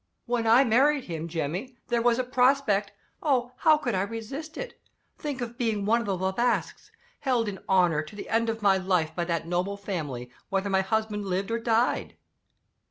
"When I married him, Jemmy, there was a prospect oh, how could I resist it? Think of being one of the Le Basques! Held in honor, to the end of my life, by that noble family, whether my husband lived or died!"